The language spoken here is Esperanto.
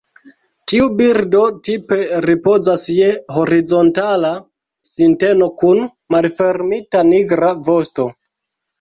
Tiu birdo tipe ripozas je horizontala sinteno kun malfermita nigra vosto.